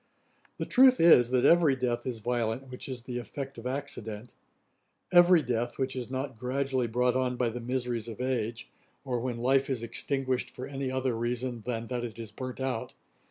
The truth is, that every death is violent which is the effect of accident; every death, which is not gradually brought on by the miseries of age, or when life is extinguished for any other reason than that it is burnt out.